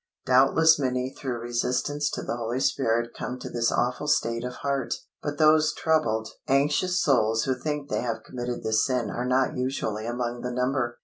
Doubtless many through resistance to the Holy Spirit come to this awful state of heart; but those troubled, anxious souls who think they have committed this sin are not usually among the number.